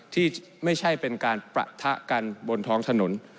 ที่ไม่ใช่เป็นการปะทะกันบนท้องถนน